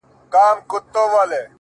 خو ما هچيش له تورو شپو سره يارې کړې ده;